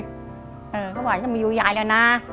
เขาบอกจะมาอยู่ยายแล้วนะ